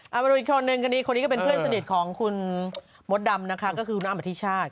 เอามาดูอีกคนนึงคดีคนนี้ก็เป็นเพื่อนสนิทของคุณมดดำนะคะก็คือคุณอ้ำอธิชาติ